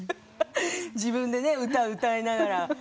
自分で歌を歌いながら。